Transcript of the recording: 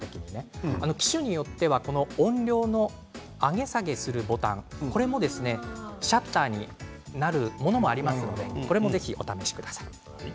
機種によっては音量の上げ下げするボタンもシャッターになるものもありますのでこれも、ぜひお試しください。